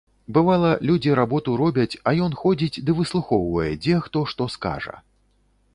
Бывала, людзі работу робяць, а ён ходзіць ды выслухоўвае, дзе хто што скажа.